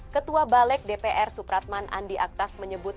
ketua balik dpr supratman andi aktas menyebut